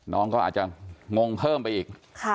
น้องก็อาจจะงงเพิ่มไปอีก